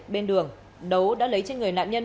bên đường đấu đã lấy trên người nạn nhân